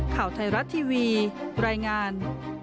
ข่าวไทยรัฐทีวีรายงาน